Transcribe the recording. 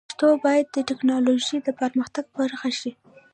پښتو باید د ټکنالوژۍ د پرمختګ برخه شي.